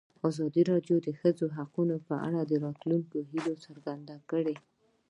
ازادي راډیو د د ښځو حقونه په اړه د راتلونکي هیلې څرګندې کړې.